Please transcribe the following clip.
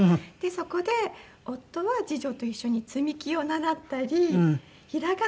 そこで夫は次女と一緒に積み木を習ったり平仮名習ったり。